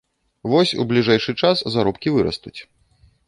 Вось, у бліжэйшы час заробкі вырастуць.